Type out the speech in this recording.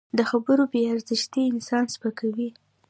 د خبرو بې ارزښتي انسان سپکوي